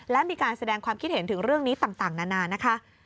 และมีการแสดงความคิดเห็นถึงเรื่องนี้ต่างนานานะคะ